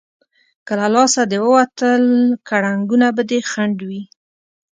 که له لاسه دې ووتل، کړنګونه به دې خنډ وي.